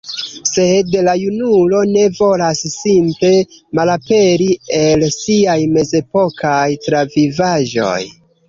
Sed la junulo ne volas simple malaperi el siaj mezepokaj travivaĵoj.